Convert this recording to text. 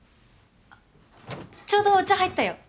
ちょうどお茶入ったよ。